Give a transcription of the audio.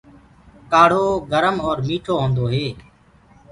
ڪآڙهو گرم اور ميِٺو هوندو هي۔